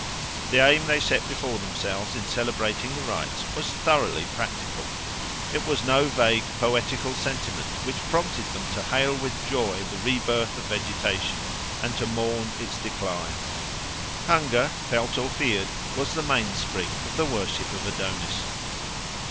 The aim they set before themselves in celebrating the rites was thoroughly practical. It was no vague poetical sentiment which prompted them to hail with joy the rebirth of vegetation and to mourn its decline. Hunger, felt or feared, was the mainspring of the worship of Adonis.